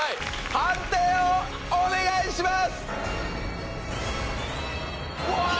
判定をお願いします！